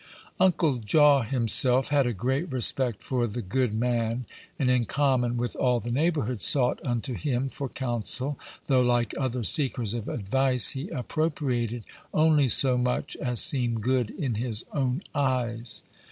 Uncle Jaw himself had a great respect for the good man, and, in common with all the neighborhood, sought unto him for counsel, though, like other seekers of advice, he appropriated only so much as seemed good in his own eyes.